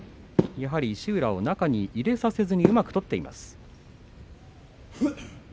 やはり石浦を中に入れさせずにうまく取っています。